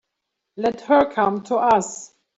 Let her come to us.